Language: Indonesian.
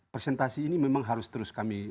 presentasi ini memang harus terus kami